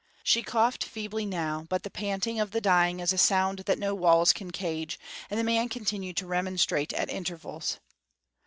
She coughed feebly now, but the panting of the dying is a sound that no walls can cage, and the man continued to remonstrate at intervals.